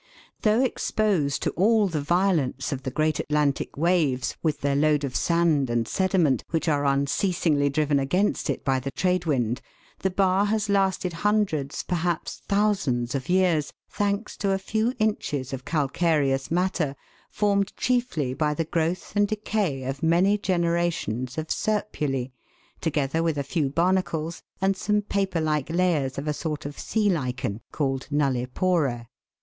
Though exposed to all the violence of the great Atlantic waves, with their load of sand and sediment, which are unceasingly driven against it by the trade wind, the bar has lasted hundreds, perhaps thousands of years, thanks to a few inches of calcareous matter, formed chiefly by the growth and decay of many generations of serpulse, together with a few barnacles and some paper like layers of a sort of sea lichen, called nullipora.